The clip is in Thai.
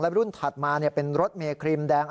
และรุ่นถัดมาเนี่ยเป็นรถเมธัยครีมแดง